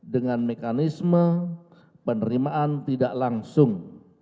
dengan mekanisme penerimaan tidak langsung